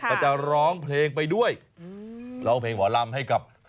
ก็จะร้องเพลงไปด้วยร้องเพลงหมอลำให้กับ